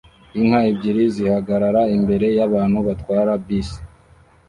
Inka ebyiri zihagarara imbere yabantu batwara bisi